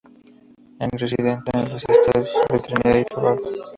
Es residente en las islas de Trinidad y Tobago.